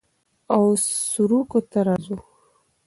او سروکو ته راځو